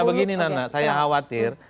karena begini nana saya khawatir